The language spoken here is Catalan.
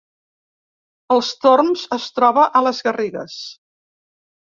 Els Torms es troba a les Garrigues